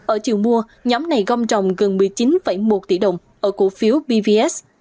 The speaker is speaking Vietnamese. ở chiều mua nhóm này gom trồng gần một mươi chín một tỷ đồng ở cổ phiếu bvs